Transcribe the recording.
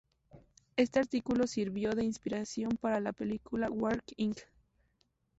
Este artículo sirvió de inspiración para la película War, Inc.